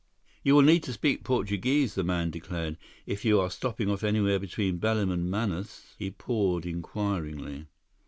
"You will need to speak Portuguese," the man declared, "if you are stopping off anywhere between Belem and Manaus." He paused inquiringly.